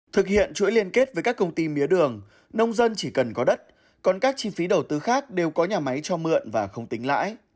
thực hiện chuỗi liên kết với các công ty mía đường nông dân chỉ cần có đất còn các chi phí đầu tư khác đều có nhà máy cho mượn và không tính lãi